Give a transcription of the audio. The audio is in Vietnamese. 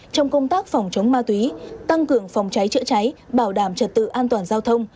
trong công tác phòng chống ma túy tăng cường phòng cháy chữa cháy bảo đảm trật tự an toàn giao thông